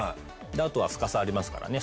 あとは深さありますからね。